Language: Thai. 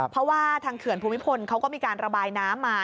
เพราะว่าทางเขื่อนภูมิพลเขาก็มีการระบายน้ำมา